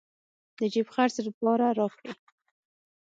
د جېب خرڅ لپاره راكړې.